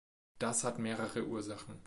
Das hat mehrere Ursachen.